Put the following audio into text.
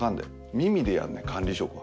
耳でやんねん管理職は。